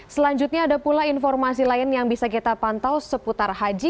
selanjutnya ada pula informasi lain yang bisa kita pantau seputar haji